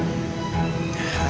ia pergi dulu ya